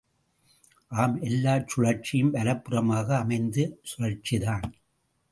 ஆம் எல்லாச் சுழற்சியும் வலப்புறமாக அமைந்த சுழற்சிதான்.